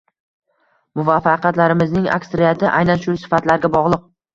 Muvaffaqiyatlarimizning aksariyati aynan shu sifatlarga bog‘liq.